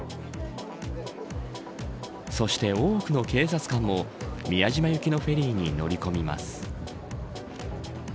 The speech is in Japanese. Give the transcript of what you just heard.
そして多くの警察官も宮島行きのフェリーに乗り込みます。